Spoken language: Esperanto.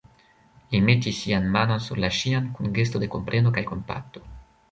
Li metis sian manon sur la ŝian kun gesto de kompreno kaj kompato.